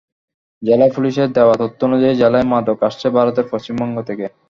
জেলা পুলিশের দেওয়া তথ্য অনুযায়ী, জেলায় মাদক আসছে ভারতের পশ্চিমবঙ্গ থেকে।